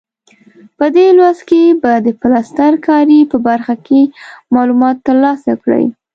په دې لوست کې به د پلستر کارۍ په برخه کې معلومات ترلاسه کړئ.